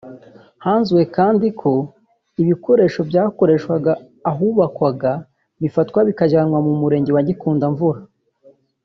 Hanzuwe kandi ko ibikoresho byakoreshwaga aho hubakwaga bifatwa bikajyanwa ku Murenge wa Gikundamvura